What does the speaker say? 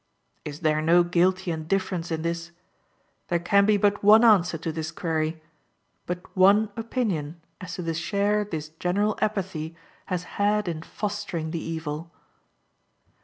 Is there no guilty indifference in this? There can be but one answer to this query; but one opinion as to the share this general apathy has had in fostering the evil.